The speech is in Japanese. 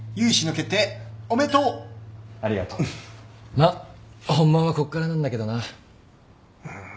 まっ本番はここからなんだけどな。